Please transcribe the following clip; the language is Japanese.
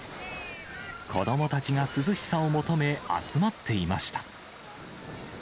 子どもたちが涼しさを求め、集まっていました。